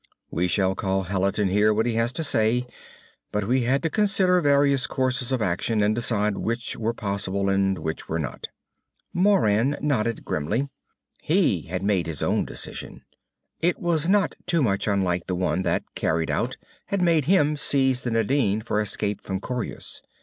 We shall call Hallet and hear what he has to say, but we had to consider various courses of action and decide which were possible and which were not." Moran nodded grimly. He had made his own decision. It was not too much unlike the one that, carried out, had made him seize the Nadine for escape from Coryus.